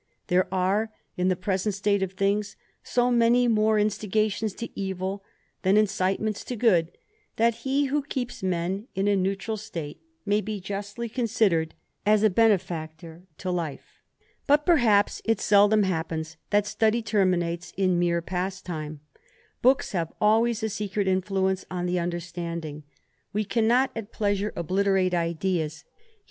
There are^ in the '^^^nt state of things, so many more instigations to evil, ™^*^ incitements to good, that he who keeps men in a "^^tral state, may be iustly considered as a benefactor ^ life. •^ut, perhaps, it seldom happens, that study terminates in ^^^« pastime. Books have always a secret influence on the ^^erstanding ; we cannot at pleasure obliterate ideas : he * Note XXI 11., Appendix. 266 THE ADVENTURER.